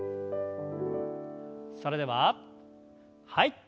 それでははい。